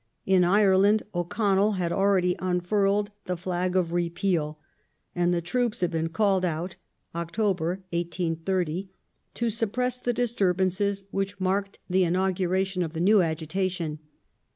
In Ireland O'Connell had already unfurled the flag of " Repeal," and the troops had been called out (Oct. 1830) to suppress the disturbances which marked the inauguration of the new agitation.